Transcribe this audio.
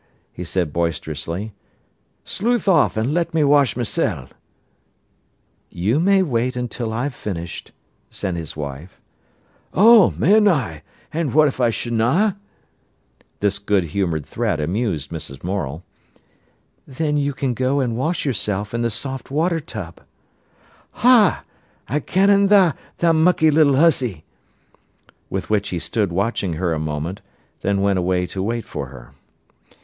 he said boisterously. "Sluthe off an' let me wesh mysen." "You may wait till I've finished," said his wife. "Oh, mun I? An' what if I shonna?" This good humoured threat amused Mrs. Morel. "Then you can go and wash yourself in the soft water tub." "Ha! I can' an' a', tha mucky little 'ussy." With which he stood watching her a moment, then went away to wait for her.